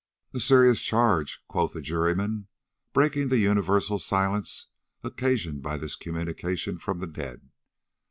"A serious charge!" quoth a juryman, breaking the universal silence occasioned by this communication from the dead.